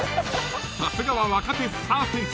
［さすがは若手スター選手